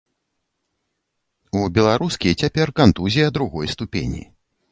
У беларускі цяпер кантузія другой ступені.